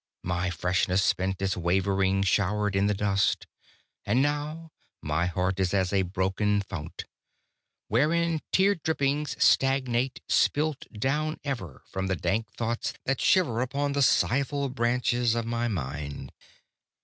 My freshness spent its wavering shower i' the dust; And now my heart is as a broken fount, Wherein tear drippings stagnate, spilt down ever From the dank thoughts that shiver Upon the sighful branches of my mind.